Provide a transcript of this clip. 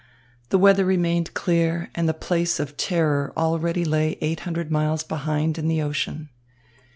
The weather remained clear, and the place of terror already lay eight hundred miles behind in the ocean.